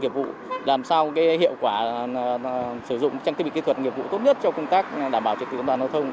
nghiệp vụ làm sao hiệu quả sử dụng trang thiết bị kỹ thuật nghiệp vụ tốt nhất cho công tác đảm bảo trực tiếp an toàn hợp thông